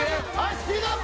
スピードアップ！